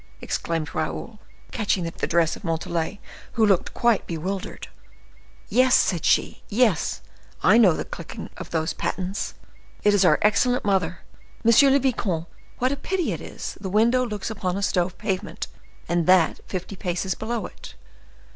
exclaimed Raoul, catching at the dress of Montalais, who looked quite bewildered. "Yes," said she; "yes, I know the clicking of those pattens! It is our excellent mother. M. le Vicomte, what a pity it is the window looks upon a stone pavement, and that fifty paces below it."